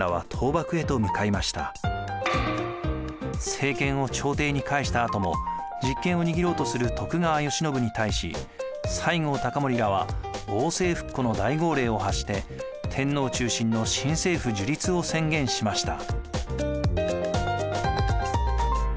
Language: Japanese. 政権を朝廷に返した後も実権を握ろうとする徳川慶喜に対し西郷隆盛らは王政復古の大号令を発して天皇中心の新政府樹立を宣言しました。